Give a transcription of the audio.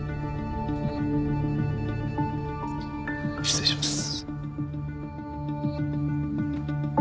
失礼します。